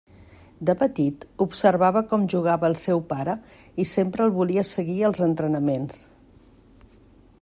De petit, observava com jugava el seu pare i sempre el volia seguir als entrenaments.